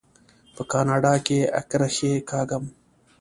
په کاناډا کې اکرښې کاږم.